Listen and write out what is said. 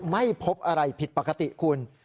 ไม่พบอะไรผิดปกติคุณ